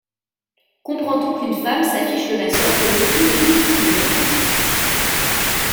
Comprend-on qu’une femme s’affiche de la sorte au mépris de toute pudeur…